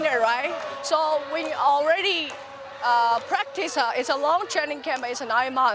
jadi kita sudah berlatih itu adalah training camp yang panjang itu sembilan bulan